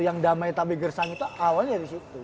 yang damai tapi gersang itu awalnya dari situ